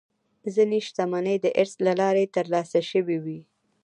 ځینې شتمنۍ د ارث له لارې ترلاسه شوې وي.